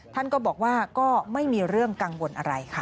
ท่านก็บอกว่าก็ไม่มีเรื่องกังวลอะไรค่ะ